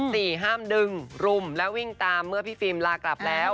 ห้ามดึงรุมและวิ่งตามเมื่อพี่ฟิล์มลากลับแล้ว